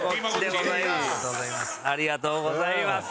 ありがとうございます。